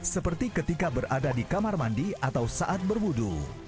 seperti ketika berada di kamar mandi atau saat berbudu